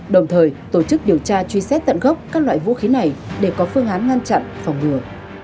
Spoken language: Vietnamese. đồng thời tổ chức điều tra truy xét tận gốc các loại vũ khí này để có phương án ngăn chặn phòng ngừa